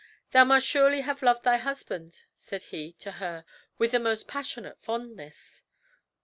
"Thou must surely have loved thy husband," said he to her, "with the most passionate fondness."